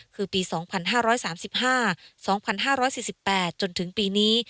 คือปี๒๕๓๕๒๕๔๘จนถึงปีนี้